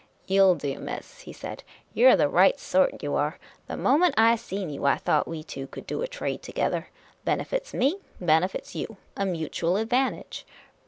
" You '11 do, miss," he said. " You 're the right sort, you are. The moment I seen you, I thought we two could do a trade together. Benefits me ; benefits you. A mutual ad vantage.